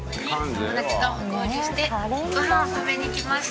友達と合流してごはんを食べにきました。